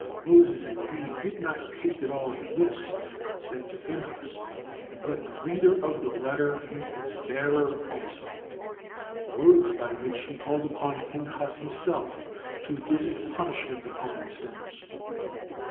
Moses indeed did not take it all amiss, but said to Phinehas, "Let the reader of the letter be its bearer also," words by which he called upon Phinehas himself to visit punishment upon the sinners.